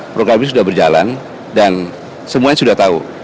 program ini sudah berjalan dan semuanya sudah tahu